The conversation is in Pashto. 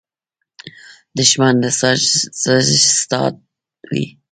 دښمن د سازش استاد وي